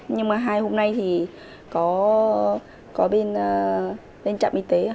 nhưng mà hai hôm nay thì có bên lên trạm y tế